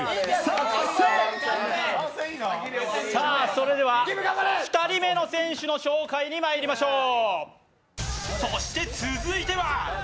それでは２人目の選手の紹介にまいりましょう。